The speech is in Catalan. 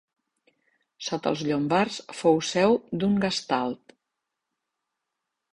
Sota els llombards fou seu d'un gastald.